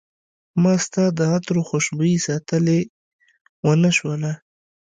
ما ستا د عطرو خوشبوي ساتلی ونه شوله